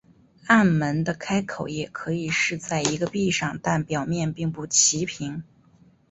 暗门的开口也可以是在一个壁上但表面并不齐平。